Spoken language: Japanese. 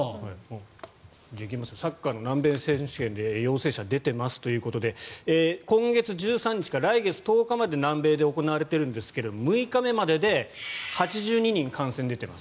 サッカーの南米選手権で陽性者が出ていますということで今月１３日から来月１０日まで南米で行われているんですが６日目までで８２人感染者が出ています。